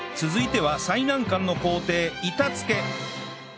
続いては最難関の工程板付け